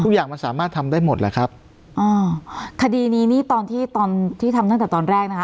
อย่างมันสามารถทำได้หมดแหละครับอ่าคดีนี้นี่ตอนที่ตอนที่ทำตั้งแต่ตอนแรกนะคะ